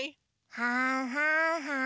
はんはんはん。